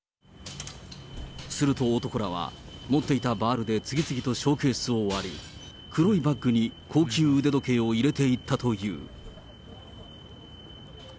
すると、男らは持っていたバールで次々とショーケースを割り、黒いバッグに高級腕時計を入れていったという。